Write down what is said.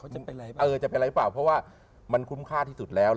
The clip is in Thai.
จะเป็นอะไรหรือเปล่าเพราะว่ามันคุ้มค่าที่สุดแล้ว